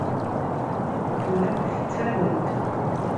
Tellamt tettarumt.